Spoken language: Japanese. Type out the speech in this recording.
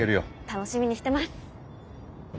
楽しみにしてます。